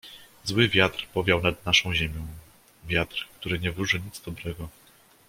"Zły wiatr powiał nad naszą ziemią, wiatr, który nie wróży nic dobrego."